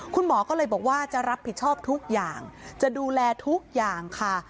คุณหมอก็เลยบอกว่าจะรับผิดชอบทุกอย่างจะดูแลทุกอย่างค่ะ